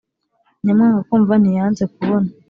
nyamwanga kumva ntiyanze kubona